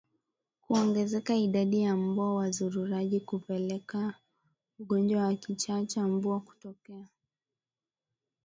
Kuongezeka idadi ya mbwa wazururaji hupelekea ugonjwa wa kichaa cha mbwa kutokea